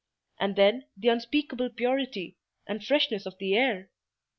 And then, the unspeakable purity—and freshness of the air!